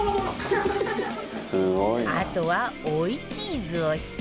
あとは追いチーズをして